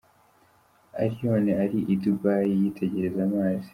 Allioni ari i Dubai yitegereza amazi.